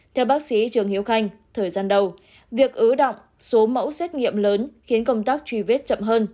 theo bác sĩ trường hiếu khanh thời gian đầu việc ứ động số mẫu xét nghiệm lớn khiến công tác truy vết chậm hơn